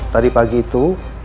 tadi pagi itu